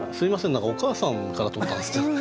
何か「お母さん」からとったんですってね。